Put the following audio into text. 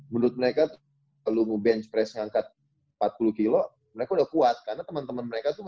menurut mereka kalau lu nge bench press ngangkat empat puluh kilo mereka udah kuat karena temen temen mereka tuh